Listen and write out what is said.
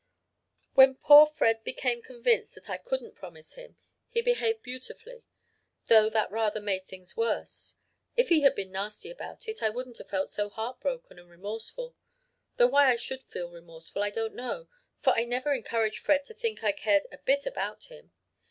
"When poor Fred became convinced that I couldn't promise him, he behaved beautifully though that rather made things worse. If he had been nasty about it I wouldn't have felt so heartbroken and remorseful though why I should feel remorseful I don't know, for I never encouraged Fred to think I cared a bit about him.